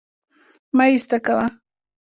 مه يې ايسته کوه